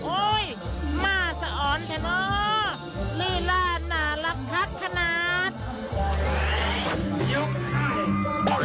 โอ๊ยมาสอนแทน้อรีลาหน่าลับคักขนาด